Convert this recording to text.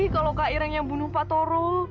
kalau kak ireng yang bunuh pak toro